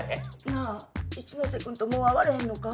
なあ一ノ瀬君ともう会われへんのか？